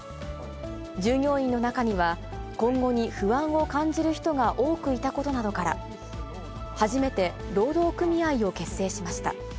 従業員の中には、今後に不安を感じる人が多くいたことなどから、初めて労働組合を結成しました。